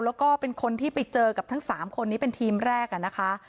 แล้วก็เป็นคนที่ไปเจอกับทั้ง๓คนนี้เป็นทีมแรกนะคะ